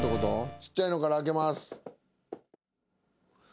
ちっちゃいのから開けます。